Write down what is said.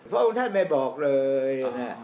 พระองค์ท่านไม่บอกเลยนะ